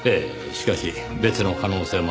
しかし別の可能性もありますがね。